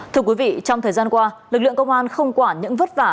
thưa quý vị trong thời gian qua lực lượng công an không quản những vất vả